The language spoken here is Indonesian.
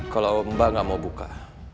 kalau mbak nggak mau buka